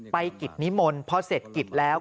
ไปกิจนิมนต์เพราะเสร็จกิจแล้ว